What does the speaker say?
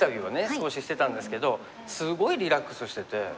少ししてたんですけどすごいリラックスしてて。